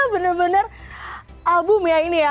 benar benar album ya ini ya